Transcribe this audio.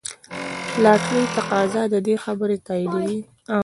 د لاټرۍ تقاضا د دې خبرې تاییدوي.